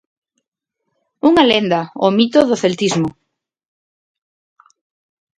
Unha lenda, o mito do celtismo.